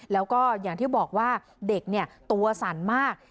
แล้วก็อย่างที่บอกว่าเด็กตัวสั่นมาก